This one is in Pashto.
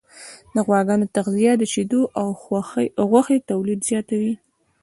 د غواګانو تغذیه د شیدو او غوښې تولید زیاتوي.